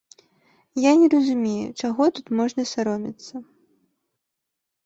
Я не разумею, чаго тут можна саромецца.